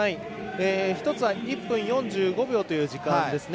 １つは１分４５秒という時間ですね。